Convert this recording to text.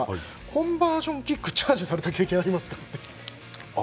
コンバージョンキックをチャージされた経験ありますか？